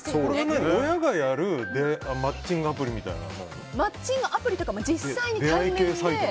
これは親がやるマッチングアプリみたいなマッチングアプリというか実際に対面で。